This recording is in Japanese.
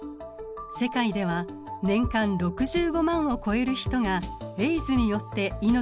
世界では年間６５万を超える人がＡＩＤＳによって命を落としています。